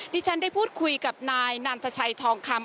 ที่ฉันได้พูดคุยกับนายนันทชัยทองคำ